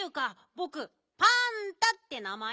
ぼくパンタって名まえ。